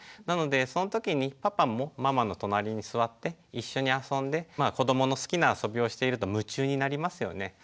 なのでその時にパパもママの隣に座って一緒に遊んでまあ子どもの好きな遊びをしていると夢中になりますよね。